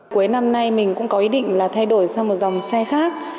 cuối năm nay mình cũng có ý định là thay đổi sang một dòng xe khác